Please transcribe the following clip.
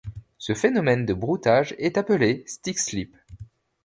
Ce phénomène de broutage est appelé stick-slip.